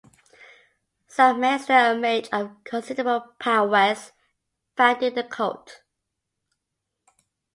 Sammaster, a mage of considerable prowess, founded the cult.